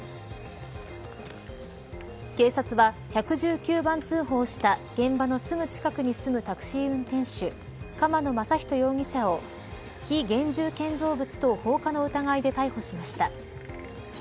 警察は１１９番通報をした現場のすぐ近くに住むタクシー運転手釜野正人容疑者を非現住建造物等放火の疑いで逮捕しました。